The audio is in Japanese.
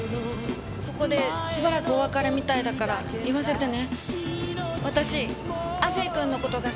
ここでしばらくお別れみたいだから言わせてね。